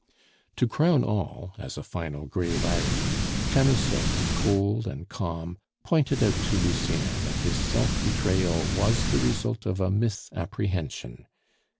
To crown all, as a final grave irony, Camusot, cold and calm, pointed out to Lucien that his self betrayal was the result of a misapprehension.